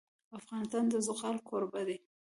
افغانستان د زغال کوربه دی.